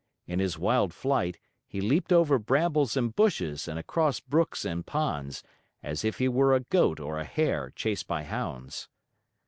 In his wild flight, he leaped over brambles and bushes, and across brooks and ponds, as if he were a goat or a hare chased by hounds.